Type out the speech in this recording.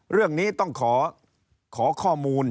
เรื่องนี้ต้องขอข้อมูล